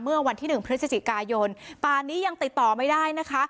เมื่อวันที่๑พฤศจิกายนป่านนี้ยังติดต่อไม่ได้นะคะ